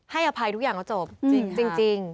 อภัยทุกอย่างแล้วจบจริง